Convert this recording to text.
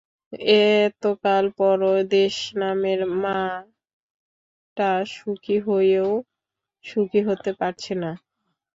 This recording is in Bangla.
এতকাল পরও দেশ নামের মা-টা সুখী হয়েও সুখী হতে পারছে না।